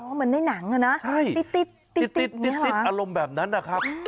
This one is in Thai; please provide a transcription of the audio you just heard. เหมือนในหนังนะติดเนี่ยหรอติดอารมณ์แบบนั้นนะครับ